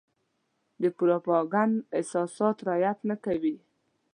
د پروپاګنډ اساسات رعايت نه کوي.